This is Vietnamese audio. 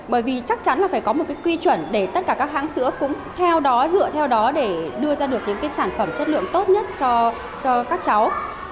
bởi vì chắc chắn là phải có một cái quy chuẩn để tất cả các hãng sữa cũng theo đó dựa theo đó để đưa ra được những cái sản phẩm chất lượng tốt nhất cho các cháu